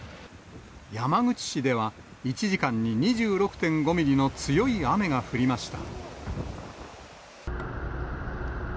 山口市では、１時間に２６．５ミリの強い雨が降りました。